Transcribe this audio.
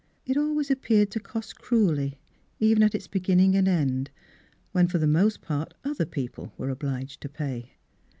It always appeared to cost cruelly, even at its beginning and end. when for the most part other people were obliged to pay.